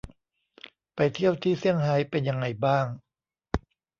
ไปเที่ยวที่ เซียงไฮ้ เป็นยังไงบ้าง ?